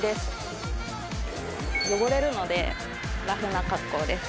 汚れるのでラフな格好です。